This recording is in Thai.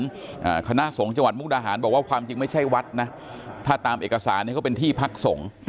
อ่าคณะสงฆ์จังหวัดมุกดาหารบอกว่าความจริงไม่ใช่วัดนะถ้าตามเอกสารเนี้ยก็เป็นที่พักสงฆ์